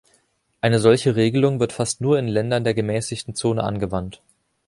Eine solche Regelung wird fast nur in Ländern der gemäßigten Zonen angewandt.